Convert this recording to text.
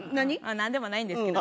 なんでもないんですけど。